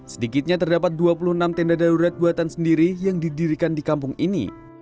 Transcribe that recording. sedikitnya terdapat dua puluh enam tenda darurat buatan sendiri yang didirikan di kampung ini